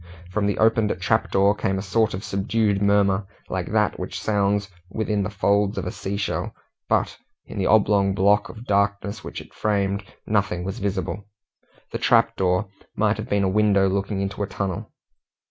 From the opened trap door came a sort of subdued murmur, like that which sounds within the folds of a sea shell, but, in the oblong block of darkness which it framed, nothing was visible. The trap door might have been a window looking into a tunnel.